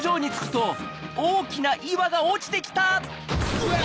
うわ！